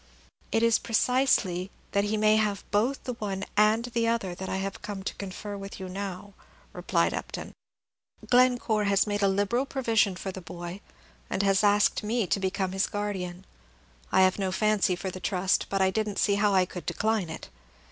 "It is precisely that he may have both the one and the other that I have come to confer with you now," replied Upton. "Glencore has made a liberal provision for the boy, and asked me to become his guardian. I have no fancy for the trust, but I did n't see how I could decline it.